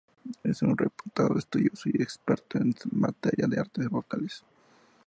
Es un reputado estudioso y experto en materia de artes vocales.